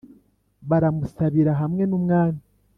Baramusabira hamwe n'umwami